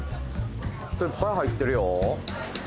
人いっぱい入ってるよ